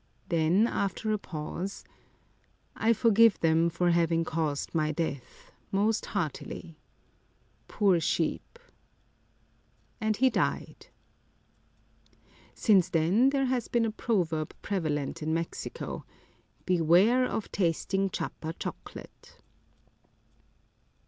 Then, after a pause :I forgive them for having caused my death, most heartily. Poor sheep !" And he died. Since then there has been a proverb prevalent in Mexico :" Beware of tasting Chiapa chocolate."